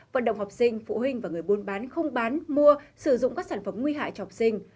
vận động học sinh phụ huynh và người buôn bán không bán mua sử dụng các sản phẩm nguy hại cho học sinh